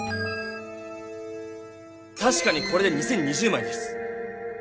確かにこれで２０２０枚です。